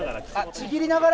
ちぎりながら？